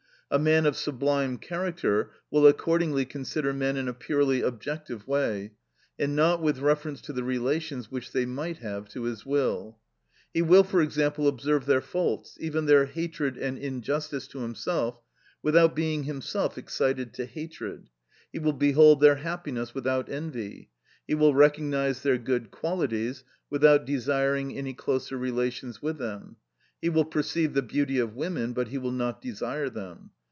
A man of sublime character will accordingly consider men in a purely objective way, and not with reference to the relations which they might have to his will; he will, for example, observe their faults, even their hatred and injustice to himself, without being himself excited to hatred; he will behold their happiness without envy; he will recognise their good qualities without desiring any closer relations with them; he will perceive the beauty of women, but he will not desire them.